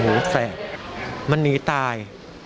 หูแสบมันหนีตาย